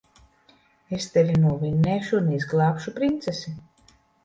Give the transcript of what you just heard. Es tevi novinnēšu un izglābšu princesi.